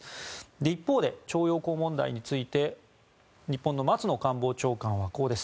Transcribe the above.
一方で徴用工問題について日本の松野官房長官はこうです。